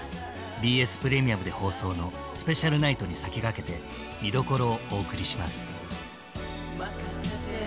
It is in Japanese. ＢＳプレミアムで放送の「スペシャルナイト」に先駆けて見どころをお送りします。